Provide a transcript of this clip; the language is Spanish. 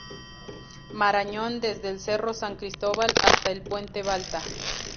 Marañón desde el Cerro San Cristóbal hasta el Puente Balta.